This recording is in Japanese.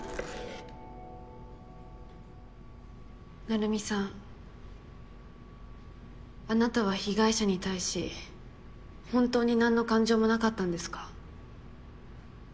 成海さんあなたは被害者に対し本当になんの感情もなかったんですか？